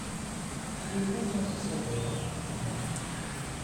Pouvez-vous lancer ça dehors pour moi ?